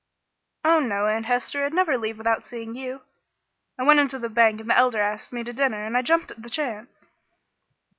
"Oh, no, Aunt Hester. I'd never leave without seeing you. I went into the bank and the Elder asked me to dinner and I jumped at the chance."